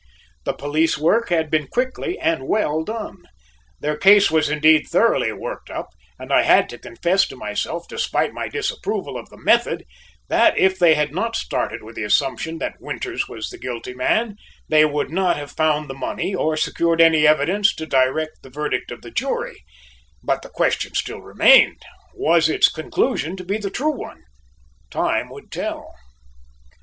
The police work had been quickly and well done. Their case was indeed thoroughly "worked up," and I had to confess to myself, despite my disapproval of the method, that if they had not started with the assumption that Winters was the guilty man, they would not have found the money or secured any evidence to direct the verdict of the jury; but the question still remained, was its conclusion to be the true one? Time would tell.